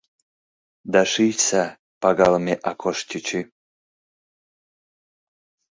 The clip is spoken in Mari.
— Да шичса, пагалыме Акош чӱчӱ.